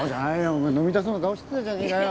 お前飲みたそうな顔してたじゃねぇかよ。